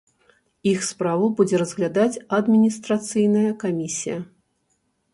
Іх справу будзе разглядаць адміністрацыйная камісія.